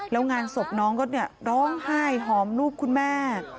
แล้วงานศพน้องก็ร้องไห้หอมรูปคุณแม่